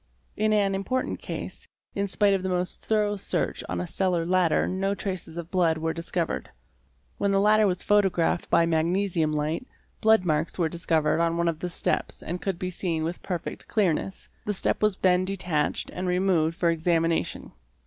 In an important case, in spite of the most thorough search on a cellar ladder no traces of blood were discovered. When the ladder was photographed by magnesium light, blood marks were discovered on one of the steps and could be seen with perfect clearness. The step was then detached and removed for examination.